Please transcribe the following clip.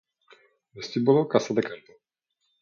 Vestíbulo Casa de Campo